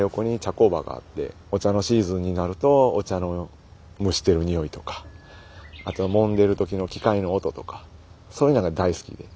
工場があってお茶のシーズンになるとお茶の蒸してる匂いとかあともんでる時の機械の音とかそういうのが大好きで。